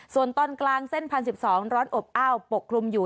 ส่วนตอนกลางเส้นพันสิบสองร้อนอบอ้าวปกรุมอยู่